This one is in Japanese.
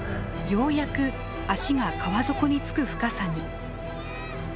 ようやく足が川底に着く深さに。